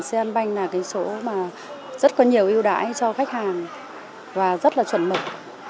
xe ăn banh là cái số mà rất có nhiều ưu đãi cho khách hàng và rất là chuẩn mực